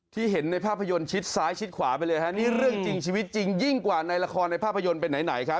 เห็นในภาพยนตร์ชิดซ้ายชิดขวาไปเลยฮะนี่เรื่องจริงชีวิตจริงยิ่งกว่าในละครในภาพยนตร์เป็นไหนครับ